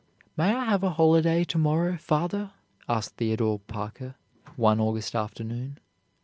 "May I have a holiday to morrow, father?" asked Theodore Parker one August afternoon.